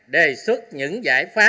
đề xuất những giải pháp